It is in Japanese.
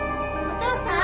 お父さん？